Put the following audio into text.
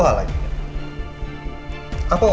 masa lalu andien adalah mantan istri saya